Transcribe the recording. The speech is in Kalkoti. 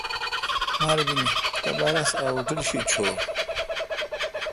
مربینی تھیا رس ا ہوٹل شی چھور۔